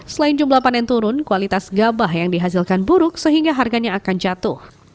selain jumlah panen turun kualitas gabah yang dihasilkan buruk sehingga harganya akan jatuh